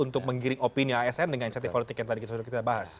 untuk menggiring opini asn dengan insentif politik yang tadi sudah kita bahas